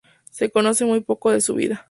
Se conoce muy poco de su vida.